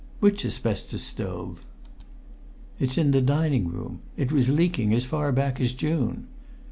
"Which asbestos stove?" "It's in the dining room. It was leaking as far back as June."